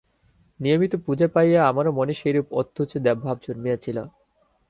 নিয়মিত পূজা পাইয়া আমারও মনে সেইরূপ অত্যুচ্চ দেবভাব জন্মিয়াছিল।